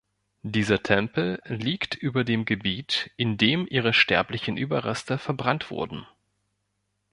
Dieser Tempel liegt über dem Gebiet, in dem ihre sterblichen Überreste verbrannt wurden.